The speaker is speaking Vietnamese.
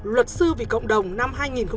luật sư vì cộng đồng năm hai nghìn một mươi